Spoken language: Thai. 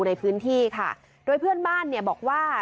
ในพื้นที่ค่ะโดยเพื่อนบ้านเนี่ยบอกว่า